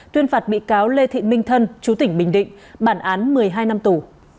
tuyên phạt bị cáo lê thị minh thân chú tỉnh bình định bản án một mươi hai năm tù